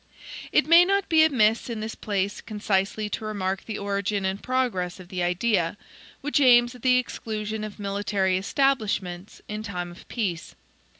It may not be amiss in this place concisely to remark the origin and progress of the idea, which aims at the exclusion of military establishments in time of peace.